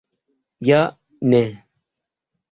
Ja ne!